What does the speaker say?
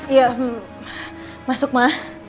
iya masuk ma